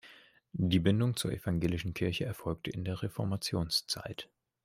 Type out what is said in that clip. Die Bindung zur evangelischen Kirche erfolgte in der Reformationszeit.